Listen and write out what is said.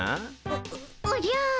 おおじゃ。